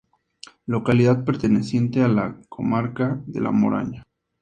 Localidad perteneciente a la comarca de La Moraña.